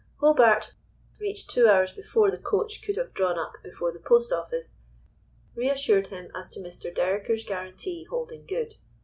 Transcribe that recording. Hobart, reached two hours before the coach could have drawn up before the post office, reassured him as to Mr. Dereker's guarantee holding good.